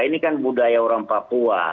ini kan budaya orang papua